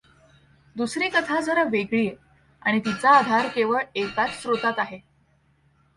दुसरी कथा जरा वेगळी आहे आणि तिचा आधार केवळ एकाच स्रोतात आहे